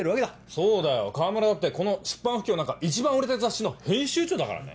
そうだよ河村だってこの出版不況の中一番売れてる雑誌の編集長だからね。